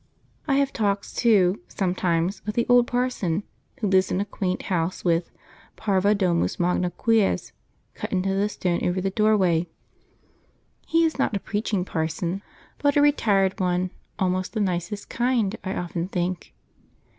I have talks too, sometimes, with the old parson, who lives in a quaint house with "Parva Domus Magna Quies" cut into the stone over the doorway. He is not a preaching parson, but a retired one, almost the nicest kind, I often think.